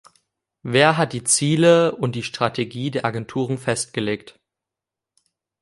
Wer hat die Ziele und die Strategie der Agenturen festgelegt?